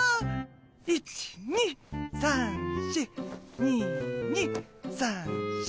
１２３４２２３４。